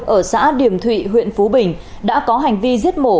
ở xã điểm thụy huyện phú bình đã có hành vi giết mổ